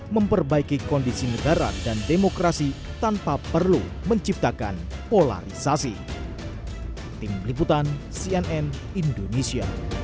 memperbaiki kondisi negara dan demokrasi tanpa perlu menciptakan polarisasi